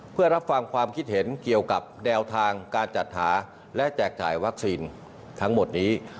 เพื่อรับฟังความคิดเห็นเกี่ยวกับแนวทางการจัดหาและแจกจ่ายวัคซีนทั้งหมดนี้